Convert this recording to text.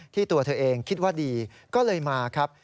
ตัวเธอเองคิดว่าดีก็เลยมาครับ